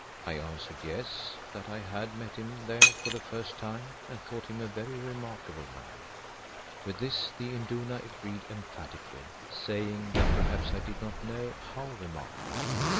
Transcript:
I answered, Yes, that I had met him there for the first time and thought him a very remarkable man. With this the Induna agreed emphatically, saying that perhaps I did not know how remarkable.